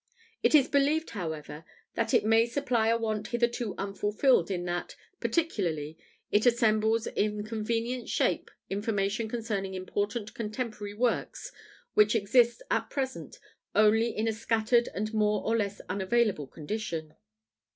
It is believed, however, that it may supply a want hitherto unfulfilled in that, particularly, it assembles in convenient shape information concerning important contemporary works which exists, at present, only in a scattered and more or less unavailable condition.